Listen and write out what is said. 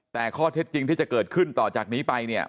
แต่ข้อเท็จจริงที่จะเกิดขึ้นต่อจากนี้ไปเนี่ย